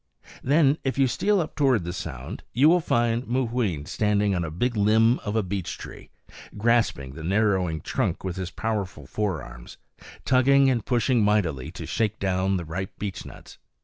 Then, if you steal up toward the sound, you will find Mooween standing on a big limb of a beech tree, grasping the narrowing trunk with his powerful forearms, tugging and pushing mightily to shake down the ripe beechnuts.